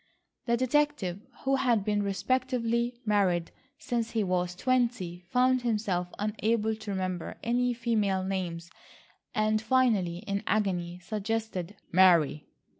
The detective, who had been respectably married since he was twenty, found himself unable to remember any female names and finally in agony suggested "Mary."